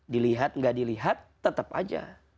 dilihat gak dilihat tetep aja